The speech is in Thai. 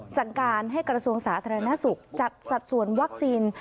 สั่งการให้กระทรวงสาธารณสุขจัดสัดส่วนวัคซีน